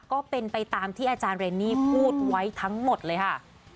ก็เป็นไปตามที่อาจารย์เรนนี่พูดไว้ทั้งหมดเลยค่ะ